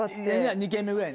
２軒目ぐらいね。